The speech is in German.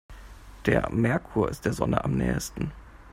Der Merkur ist der Sonne am nähesten.